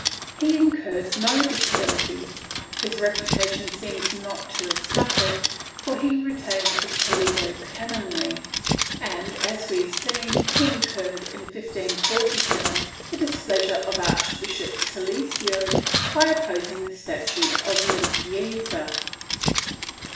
^ He incurred no disabilities; his reputation seems not to have suffered, for he retained his Toledo canonry and, as we have seen, he incurred, in 1547, the displeasure of Archbishop SiHcio by opposing the statute of limpieza.